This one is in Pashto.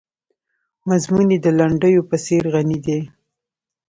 مضمون یې د لنډیو په څېر غني دی.